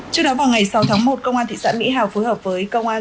trước đó vào ngày sáu tháng một công an thị xã mỹ hào phối hợp với công an